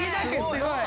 すごい。